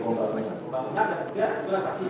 pembangunan dan kemudian juga saksi